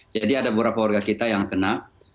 jadi ada beberapa warga kita yang kena